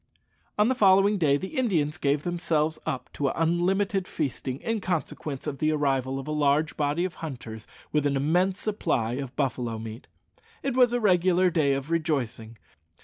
_ On the following day the Indians gave themselves up to unlimited feasting, in consequence of the arrival of a large body of hunters with an immense supply of buffalo meat. It was a regular day of rejoicing.